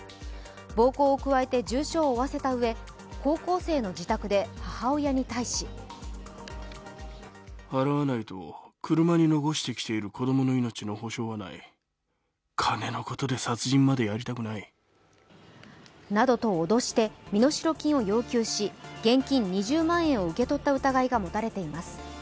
暴行を加えた重傷を負わせたうえ、高校生の自宅で母親に対しなどと脅して身代金を要求し、現金２０万円を受け取った疑いが持たれています。